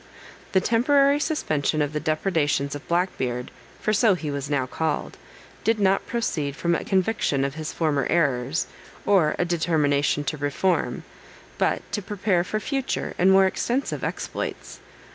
The temporary suspension of the depredations of Black Beard, for so he was now called, did not proceed from a conviction of his former errors, or a determination to reform, but to prepare for future and more extensive exploits.